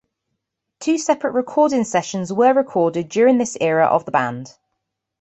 Two separate recording sessions were recorded during this era of the band.